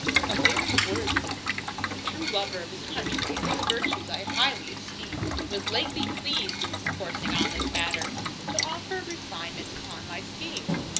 A very worthy person, a true lover of his country, and whose virtues I highly esteem, was lately pleased in discoursing on this matter, to offer a refinement upon my scheme.